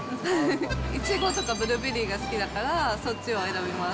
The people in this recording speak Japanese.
イチゴとかブルーベリーが好きだから、そっちを選びます。